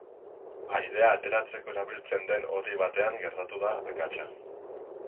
Airea ateratzeko erabiltzen den hodi batean gertatu da akatsa.